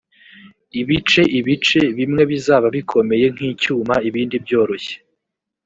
ibice ibice bimwe bizaba bikomeye nk icyuma ibindi byoroshye